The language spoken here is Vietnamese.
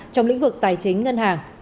trong lĩnh vực tài chính ngân hàng